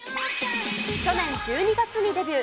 去年１２月にデビュー。